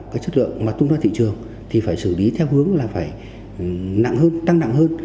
cái chất lượng mà tung ra thị trường thì phải xử lý theo hướng là phải nặng hơn tăng nặng hơn